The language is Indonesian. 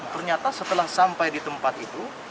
ternyata setelah sampai di tempat itu